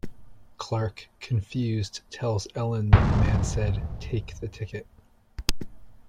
Clark, confused, tells Ellen that the man said take the ticket.